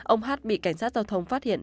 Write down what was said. ông h bị cảnh sát giao thông phát hiện